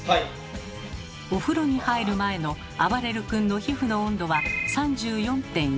お風呂に入る前のあばれる君の皮膚の温度は３４．１℃。